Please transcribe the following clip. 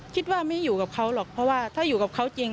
คิดว่าไม่อยู่กับเขาหรอกเพราะว่าถ้าอยู่กับเขาจริง